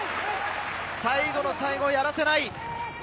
最後の最後やらせない。